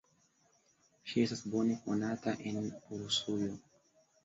Ŝi estas bone konata en Rusujo.